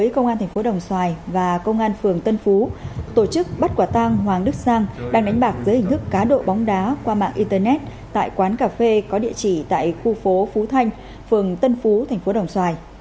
công an thành phố đồng xoài và công an phường tân phú tổ chức bắt quả tang hoàng đức sang đang đánh bạc dưới hình thức cá độ bóng đá qua mạng internet tại quán cà phê có địa chỉ tại khu phố phú thanh phường tân phú thành phố đồng xoài